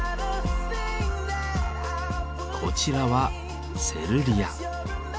こちらは「セルリア」。